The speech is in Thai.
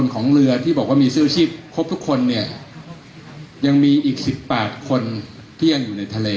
ของเรือที่บอกว่ามีเสื้อชีพครบทุกคนเนี่ยยังมีอีก๑๘คนที่ยังอยู่ในทะเล